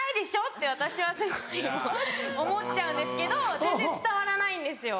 って私はすごい思っちゃうんですけど全然伝わらないんですよ。